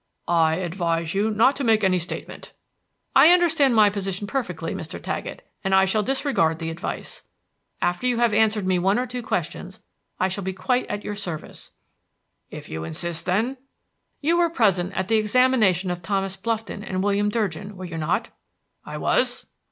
"I advise you not to make any statement." "I understand my position perfectly, Mr. Taggett, and I shall disregard the advice. After you have answered me one or two questions, I shall be quite at your service." "If you insist, then." "You were present at the examination of Thomas Blufton and William Durgin, were you not?" "I was."